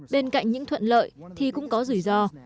bên cạnh những thuận lợi thì cũng có rủi ro